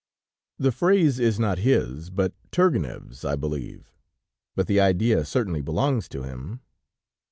The phrase is not his, but Tourgueneff's, I believe, but the idea certainly belongs to him.